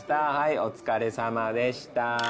お疲れさまでした。